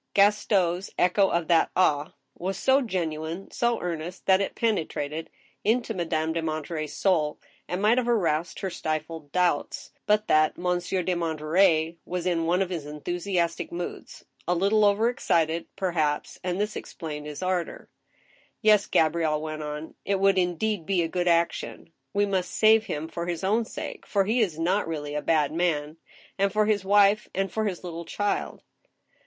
Gaston's echo of that *' ah !" was so genuine, so earnest, that it penetrated into Madame de Monterey's soul, and might have aroused her stifled doubts, but that Monsieur de Monterey was in one of his enthusiastic moods, a little overexcited, perhaps, and this explained his ardor. " Yes," Gabrielle went on, " it would indeed be a good action. We must save him for his own sake, for he is not really a bad man, and for his wife and for his little child."